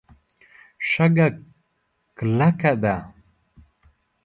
شګه کلکه ده.